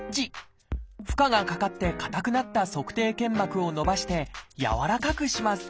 負荷がかかって硬くなった足底腱膜を伸ばしてやわらかくします